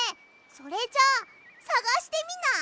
それじゃあさがしてみない？